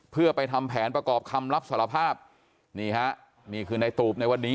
เพื่อไปทำแผนประกอบคำรับสารภาพนี่ฮะนี่คือในตูบในวันนี้